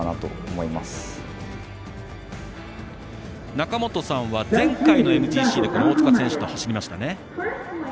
中本さんは前回のＭＧＣでこの大塚選手と走りましたね。